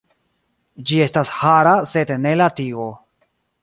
Ĝi estas hara sed ne la tigo.